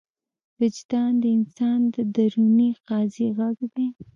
وجدان د انسان د دروني قاضي غږ دی.